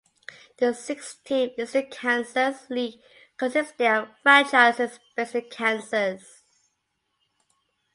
The six–team Eastern Kansas League consisted of franchises based in Kansas.